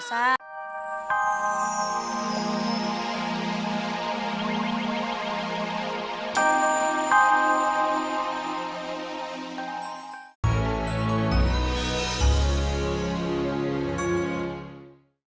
sampai jumpa lagi